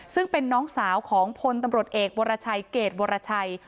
ซึ่งเป็นน้องสาวของพลตำรวจเอกวรชัยเกรดวรชัย